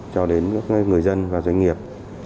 cho đến các người dân và doanh nghiệp